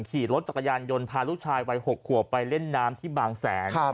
ขี่รถจักรยานยนต์พาลูกชายวัย๖ขวบไปเล่นน้ำที่บางแสน